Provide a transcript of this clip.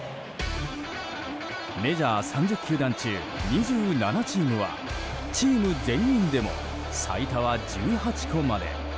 メジャー３０球団中２７チームはチーム全員でも最多は１８個まで。